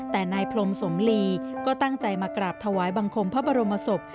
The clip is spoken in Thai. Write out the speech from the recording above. แต่นายพรมสมลีก็ตั้งใจมากราบถวายบังคมพระบรมศพ